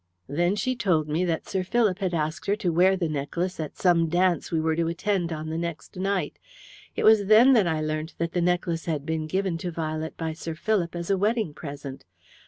Then she told me that Sir Philip had asked her to wear the necklace at some dance we were to attend on the next night. It was then that I learnt that the necklace had been given to Violet by Sir Philip as a wedding present.